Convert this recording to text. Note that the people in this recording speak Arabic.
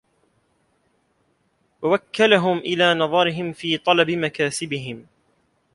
وَوَكَلَهُمْ إلَى نَظَرِهِمْ فِي طَلَبِ مَكَاسِبِهِمْ